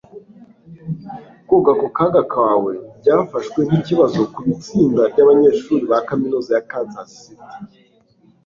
Koga ku kaga kawe byafashwe nkikibazo kubitsinda ryabanyeshuri ba kaminuza ya Kansas City.